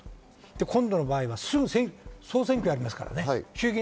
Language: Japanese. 今度の場合はすぐ総選挙がありますから。